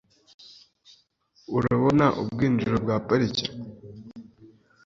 Urabona ubwinjiriro bwa parike?